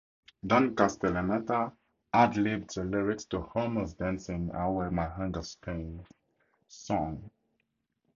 Dan Castellaneta adlibbed the lyrics to Homer's "Dancing Away My Hunger Pains" song.